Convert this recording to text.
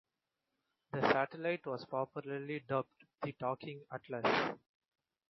The satellite was popularly dubbed "The Talking Atlas".